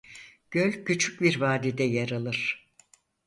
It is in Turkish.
Göl küçük bir vadide yer alır.